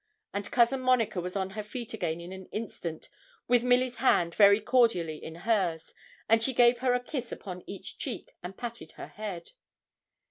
And Cousin Monica was on her feet again in an instant, with Milly's hand very cordially in hers; and she gave her a kiss upon each cheek, and patted her head.